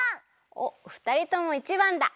おっふたりとも１ばんだ！